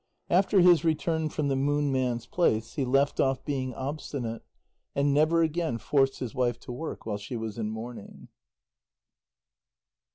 After his return from the Moon Man's place, he left off being obstinate, and never again forced his wife to work while she was in mourning.